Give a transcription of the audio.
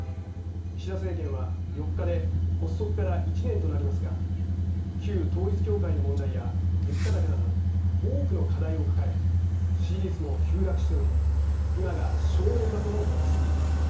岸田政権は４日で発足から１年となりますが旧統一教会の問題や物価高など多くの課題を抱え支持率も急落しており今が正念場ともいえます。